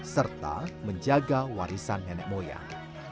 serta menjaga warisan nenek moyang